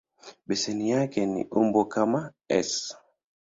Beseni yake ina umbo kama "S".